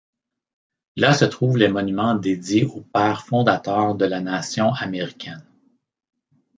Là se trouvent les monuments dédiés aux pères fondateurs de la nation américaine.